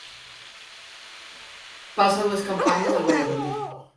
Passa dues campanyes al Valladolid.